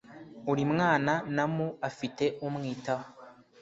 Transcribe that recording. uri mwana na mu afite umwitaho